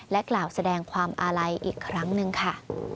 กล่าวแสดงความอาลัยอีกครั้งหนึ่งค่ะ